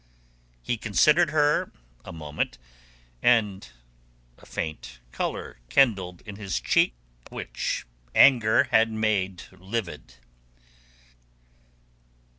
He considered her a moment, and a faint colour kindled in his cheeks which anger had made livid.